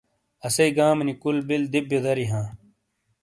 اسئیی گامینی کُل بِل دُبیو دَری ہاں۔